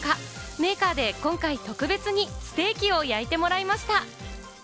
メーカーで今回、特別にステーキを焼いてもらいました。